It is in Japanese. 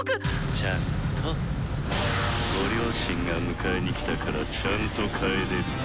ちゃんとご両親が迎えに来たからちゃんと帰れるよ。